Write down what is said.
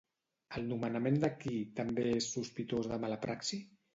El nomenament de qui també és sospitós de mala praxi?